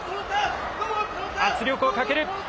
圧力をかける。